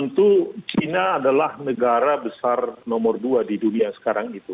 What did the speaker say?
tentu china adalah negara besar nomor dua di dunia sekarang itu